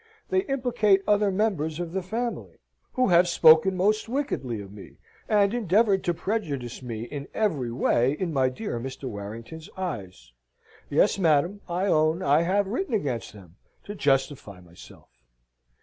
They implicate other members of the family " "Who have spoken most wickedly of me, and endeavoured to prejudice me in every way in my dear Mr. Warrington's eyes. Yes, madam, I own I have written against them, to justify myself."